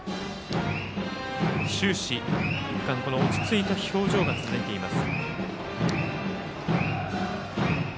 終始、一貫して落ち着いた表情が続いています。